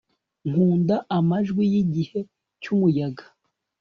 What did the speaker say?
nkunda amajwi yigihe cyumuyaga